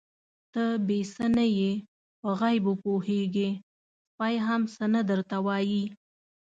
_ته بې څه نه يې، په غيبو پوهېږې، سپی هم څه نه درته وايي.